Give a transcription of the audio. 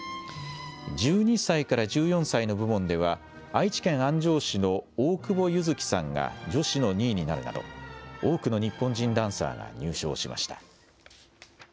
１２歳から１４歳の部門では、愛知県安城市の大久保柚希さんが女子の２位になるなど、多くの日本人ダンサーが入賞しました。